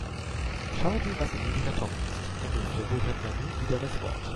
"Schauen Sie, was in diesem Karton ist", ergriff der Buchhändler nun wieder das Wort.